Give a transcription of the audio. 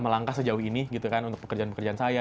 melangkah sejauh ini gitu kan untuk pekerjaan pekerjaan saya